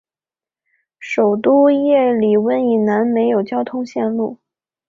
首都叶里温以南没有铁路交通。